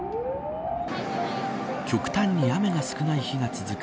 極端に雨が少ない日が続く